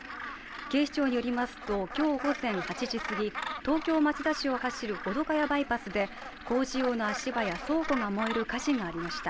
警視庁によりますと、今日午前８時すぎ、東京・町田市を走る保土ヶ谷バイパスで工事用の足場や倉庫が燃える火事がありました。